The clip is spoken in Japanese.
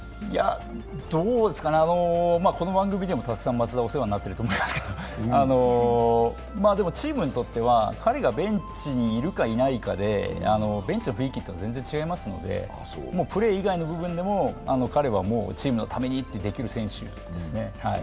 どうですかね、この番組でも松田はたくさんお世話になっていると思いますけど、チームにとっては彼がベンチにいるかいないかで、ベンチの雰囲気というのは全然違いますので、プレー以外の部分でも彼はチームのためにってできる選手ですね。